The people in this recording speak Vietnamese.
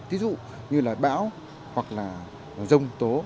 ví dụ như là bão hoặc là rông tố